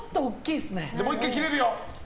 もう１回切れるよ。